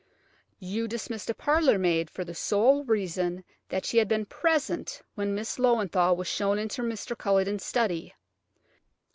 You dismissed a parlour maid for the sole reason that she had been present when Miss Löwenthal was shown into Mr. Culledon's study.